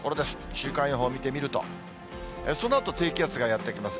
週間予報見てみると、そのあと低気圧がやって来ます。